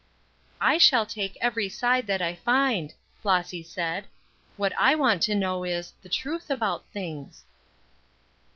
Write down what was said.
"I shall take every side that I find," Flossy said. "What I want to know is, the truth about things."